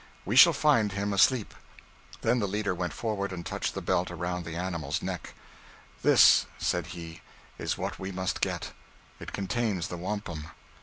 We shall find him asleep.' Then the leader went forward and touched the belt around the animal's neck. 'This,' said he, 'is what we must get. It contains the wampum.'